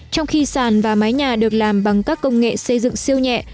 trong khi sàn và mái nhà được làm bằng các công nghệ xây dựng siêu nhẹ